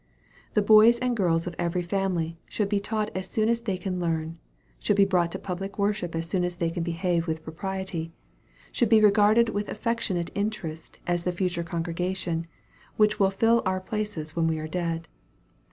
The boys and girls of every family should be taught as soon as they can learn should be brought to public worship as soon as they can behave with propriety should be regarded with affection ate interest as the future congregation, which will fill our places when we are dead.